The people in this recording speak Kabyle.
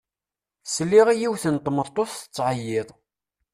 Sliɣ i yiwet n tmeṭṭut tettɛeyyiḍ.